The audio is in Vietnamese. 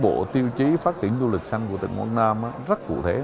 hiện nay bộ tiêu chí phát triển du lịch xanh của tỉnh quảng nam rất cụ thể